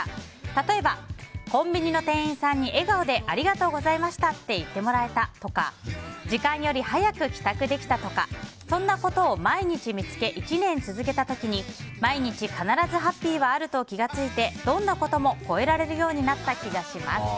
例えばコンビニの店員さんに笑顔でありがとうございましたって言ってもらえたとか時間より早く帰宅できたとかそんなことを毎日見つけ１年続けた時に毎日、必ずハッピーはあると気が付いてどんなことも超えられるようになった気がします。